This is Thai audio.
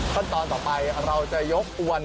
ขั้นตอนต่อไปเราจะยกอวน